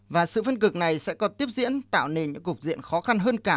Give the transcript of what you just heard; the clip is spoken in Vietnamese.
và sự phân cực này sẽ còn tiếp diễn tạo nên những cuộc diễn khó khăn hơn cả